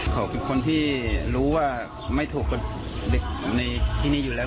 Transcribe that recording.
เขาเป็นคนที่รู้ว่าไม่ถูกกับเด็กในที่นี่อยู่แล้ว